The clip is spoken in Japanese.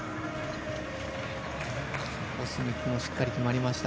コスミックもしっかり決まりました。